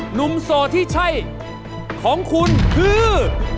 โสดที่ใช่ของคุณคือ